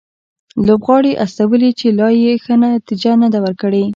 لوبغاړي استولي چې لا یې ښه نتیجه نه ده ورکړې